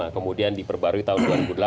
kemudian diperbarui tahun dua ribu delapan